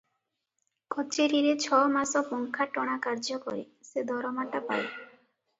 କଚେରିରେ ଛ ମାସ ପଙ୍ଖା ଟଣା କାର୍ଯ୍ୟ କରେ, ସେ ଦରମାଟା ପାଏ ।